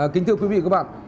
kính thưa quý vị các bạn